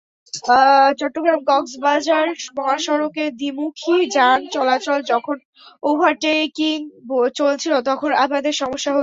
চট্টগ্রাম-কক্সবাজার মহাসড়কে দ্বিমুখী যান চলাচল, যখন ওভারটেকিং চলছিল তখন আমাদের সমস্যা হতো।